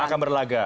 yang akan berlagak